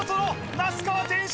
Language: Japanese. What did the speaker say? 那須川天心